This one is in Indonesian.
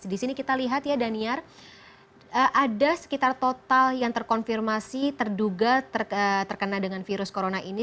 di sini kita lihat ya daniar ada sekitar total yang terkonfirmasi terduga terkena dengan virus corona ini